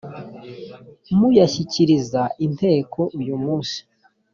muyashyikiriza inteko uyumunsi.